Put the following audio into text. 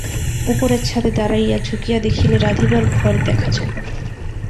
উপরের ছাদে দাঁড়াইয়া ঝুঁকিয়া দেখিলে রাঁধিবার ঘর দেখা যায়।